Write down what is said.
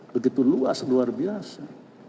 begitu luas luar biasa